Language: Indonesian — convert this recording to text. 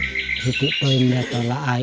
sehingga mereka dapat memiliki makanan yang lebih baik